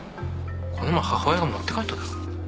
この前母親が持って帰っただろ。